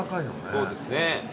そうですね。